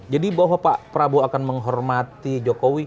jadi bahwa pak prabowo akan menghormati jokowi